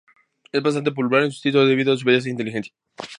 Es bastante popular en su instituto debido a su belleza e inteligencia.